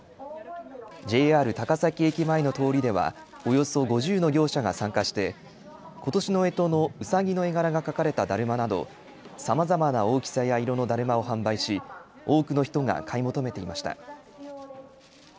ＪＲ高崎駅前の通りではおよそ５０の業者が参加してことしのえとのうさぎの絵柄が描かれただるまなどさまざまな大きさや色のだるまを販売し多くの人が買い求めていました。